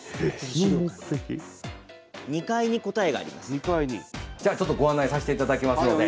本当にじゃあちょっとご案内させていただきますので。